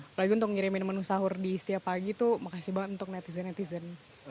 apalagi untuk ngirimin menu sahur di setiap pagi tuh makasih banget untuk netizen netizen